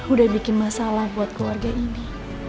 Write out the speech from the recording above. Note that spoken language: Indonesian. udah bikin masalah buat keluarga ini